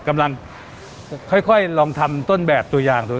กำลังค่อยลองทำต้นแบบตัวอย่างดู